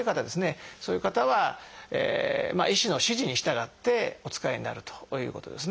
そういう方は医師の指示に従ってお使いになるということですね。